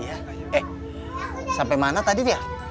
oh iya eh sampai mana tadi ria